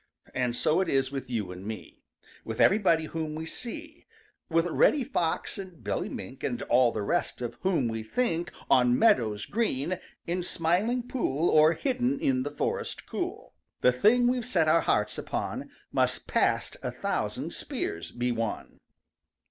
And so it is with you and me; With everybody whom we see; With Reddy Fox and Billy Mink, And all the rest of whom we think On Meadows Green, in Smiling Pool Or hidden in the Forest cool: The thing we've set our hearts upon Must past a thousand spears be won.